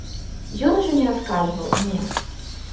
Ён ужо не расказваў, не.